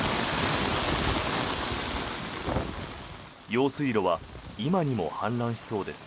用水路は今にも氾濫しそうです。